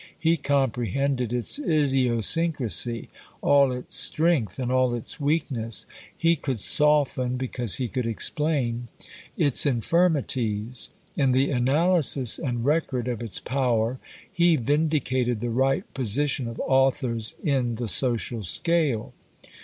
He comprehended its idiosyncrasy: all its strength and all its weakness. He could soften, because he could explain, its infirmities; in the analysis and record of its power, he vindicated the right position of authors in the social scale.